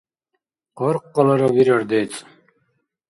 Къаркъалара бирар децӀ.